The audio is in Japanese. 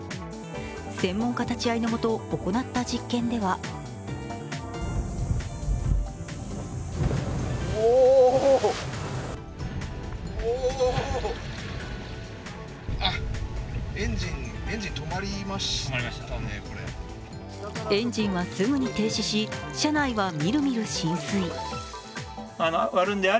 専門家立ち合いのもと、行った実験ではエンジンはすぐに停止し、車内はみるみる浸水。